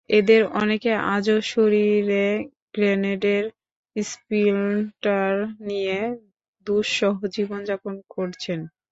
এঁদের অনেকে আজও শরীরে গ্রেনেডের স্প্লিন্টার নিয়ে দুঃসহ জীবন যাপন করছেন।